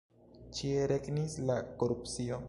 Ĉie regnis la korupcio.